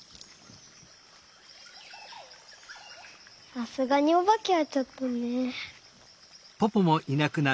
さすがにおばけはちょっとね。